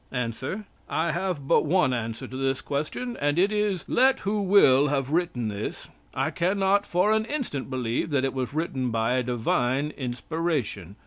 A. "I have but one answer to this question, and it is: Let who will have written this, I can not for an instant believe that it was written by a divine inspiration.